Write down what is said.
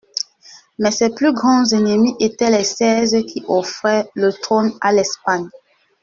Mais ses plus grands ennemis étaient les Seize, qui offraient le trône à l'Espagne.